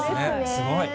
すごい。